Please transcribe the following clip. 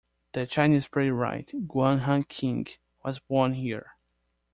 The Chinese playwright Guan Hanqing was born here.